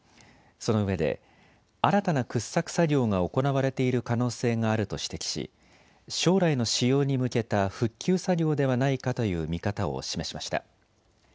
そのうえで新たな掘削作業が行われている可能性があると指摘し将来の使用に向けた復旧作業ではないかという見方を示しました。